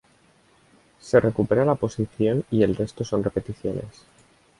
Se recupera la posición y el resto son repeticiones.